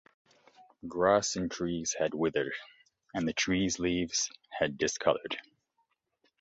Grass and trees had withered and the trees' leaves had discoloured.